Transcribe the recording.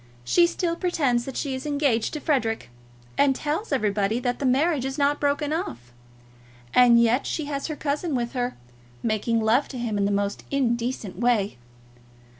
She still pretends that she is engaged to Frederic, and tells everybody that the marriage is not broken off, and yet she has her cousin with her, making love to him in the most indecent way.